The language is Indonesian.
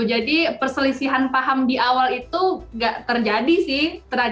jadi perselisihan paham di awal itu nggak terjadi sih